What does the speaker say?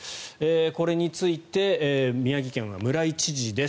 これについて宮城県は村井知事です。